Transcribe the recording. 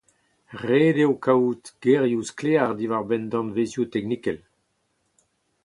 Ret eo kavout gerioù sklaer diwar-benn danvezioù teknikel.